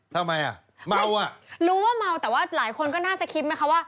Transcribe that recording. แต่มันหามมันหามกันแบบ